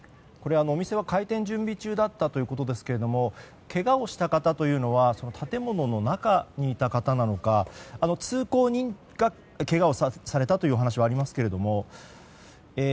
お店は開店準備中だったということですがけがをした方というのは建物の中にいた方なのか通行人がけがをされたというお話はありますけれども。